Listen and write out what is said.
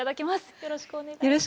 よろしくお願いします。